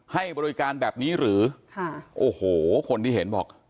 ให้บริการแบบนี้หรือค่ะโอ้โหคนที่เห็นบอก